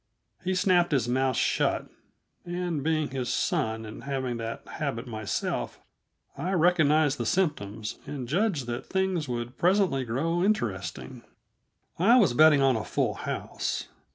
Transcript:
He snapped his mouth shut, and, being his son and having that habit myself, I recognized the symptoms and judged that things would presently grow interesting. I was betting on a full house.